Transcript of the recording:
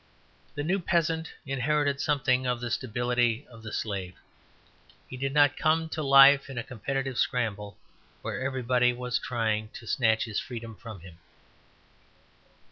The new peasant inherited something of the stability of the slave. He did not come to life in a competitive scramble where everybody was trying to snatch his freedom from him.